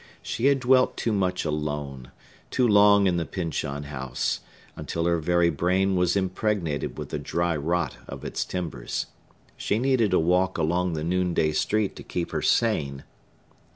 She had dwelt too much alone,—too long in the Pyncheon House,—until her very brain was impregnated with the dry rot of its timbers. She needed a walk along the noonday street to keep her sane.